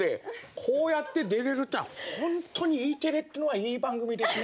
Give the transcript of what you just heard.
こうやって出れるってのは本当にＥテレってのはいい番組ですね。